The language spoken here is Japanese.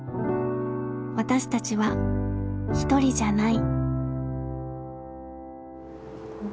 私たちはひとりじゃない。